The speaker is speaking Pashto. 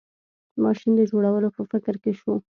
ماشین د جوړولو په فکر کې شو.